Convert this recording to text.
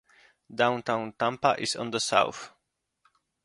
Downtown Tampa is to the south.